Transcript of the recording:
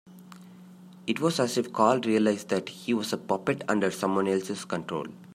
It was as if Carl realised that he was a puppet under someone else's control.